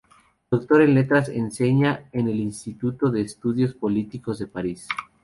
Doctor en letras, enseña en el Instituto de Estudios Políticos de París.